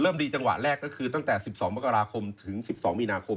ดีจังหวะแรกก็คือตั้งแต่๑๒มกราคมถึง๑๒มีนาคม